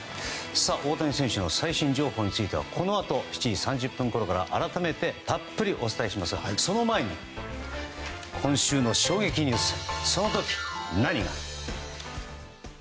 大谷選手の最新情報についてはこのあと７時３０分ごろから改めてたっぷりお伝えしますがその前にその前に今週の衝撃ニュースその時何が。